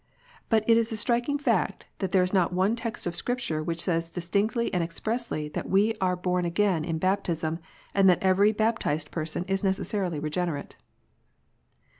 But it is a striking fact that there is not one text in Scripture which save distinctly and expressly that we are bom again in baptism^ and that every hantized person is necessarily regenerate